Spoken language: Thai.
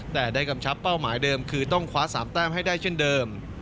แต่ได้กำชับเป้าหมายเดิมคือต้องคว้า๓แต้มให้ได้เช่นเดิม